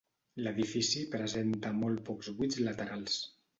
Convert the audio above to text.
L'edifici presenta molt pocs buits laterals.